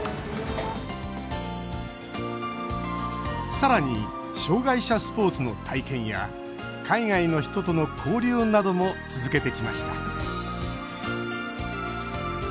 さらに障害者スポーツの体験や海外の人との交流なども続けてきました。